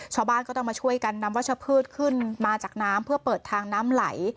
ชาวบ้านก็ต้องมาช่วยกันนำวัชพืชขึ้นมาจากน้ำเพื่อเปิดทางน้ำไหล